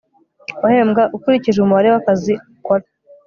uhembwa ukurikije umubare wakazi ukora